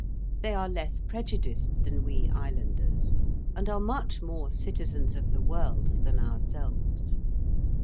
They are less prejudiced than we islanders, and are much more citizens of the world than ourselves.